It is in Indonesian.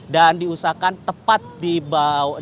dan diusahakan tepat di bawahnya